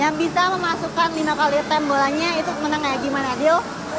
yang bisa memasukkan lima kali tembolanya itu menang kayak gimana rio